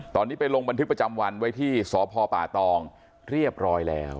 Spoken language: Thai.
ตอนนี้ไปลงบันทึกประจำวันไว้ที่สพป่าตองเรียบร้อยแล้ว